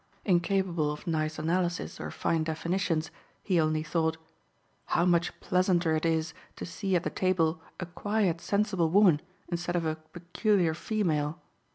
Incapable of nice analysis or fine definitions, he only thought, "How much pleasanter it is to see at the table a quiet, sensible woman instead of a 'peculiar female!'"